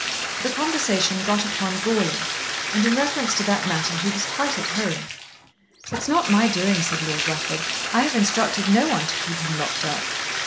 The conversation got upon Goarly, and in reference to that matter he was quite at home. "It's not my doing," said Lord Rufford. "I have instructed no one to keep him locked up."